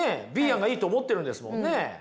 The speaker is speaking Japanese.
Ｂ案がいいと思ってるんですもんね。